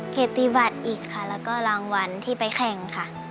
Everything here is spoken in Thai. เกียรติบัตรอีกค่ะแล้วก็รางวัลที่ไปแข่งค่ะ